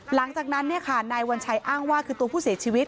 หลังจากนั้นนายวัญชัยอ้างว่าคือตัวผู้เสียชีวิต